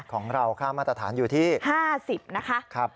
ของเราค่ามาตรฐานอยู่ที่๕๐นะคะ